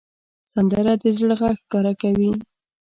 سندره د زړه غږ ښکاره کوي